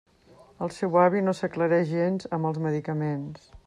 El seu avi no s'aclareix gens amb els medicaments.